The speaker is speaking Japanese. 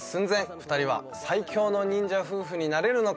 ２人は最強の忍者夫婦になれるのか？